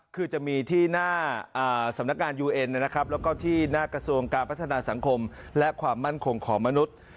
คือจะมีที่หน้าสำนักงานยูเอ็นนะครับแล้วก็ที่หน้ากระทรวงการพัฒนาสังคมและความมั่นคงของมนุษย์